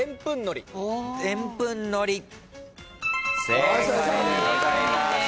正解でございます。